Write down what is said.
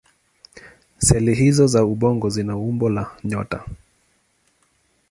Seli hizO za ubongo zina umbo la nyota.